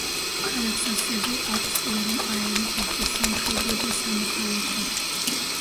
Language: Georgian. ქალაქს ასევე აქვს ორი აეროპორტი: სამხედრო და სამოქალაქო.